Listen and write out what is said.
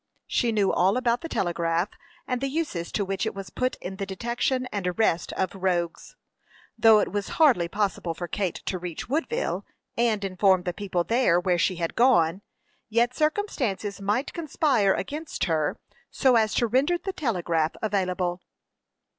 She knew all about the telegraph, and the uses to which it was put in the detection and arrest of rogues. Though it was hardly possible for Kate to reach Woodville, and inform the people there where she had gone, yet circumstances might conspire against her so as to render the telegraph available.